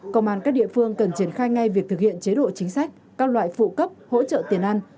công an các địa phương cần triển khai ngay việc thực hiện chế độ chính sách các loại phụ cấp hỗ trợ tiền ăn